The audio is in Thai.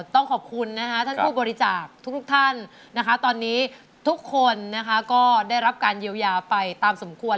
ต้องขอบคุณนะคะท่านผู้บริจาคทุกท่านนะคะตอนนี้ทุกคนนะคะก็ได้รับการเยียวยาไปตามสมควร